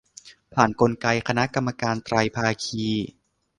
ผ่านกลไกคณะกรรมการไตรภาคี